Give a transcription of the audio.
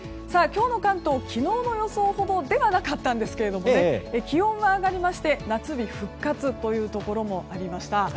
今日の関東、昨日の予想ほどではなかったんですけど気温は上がりまして夏日復活というところもありました。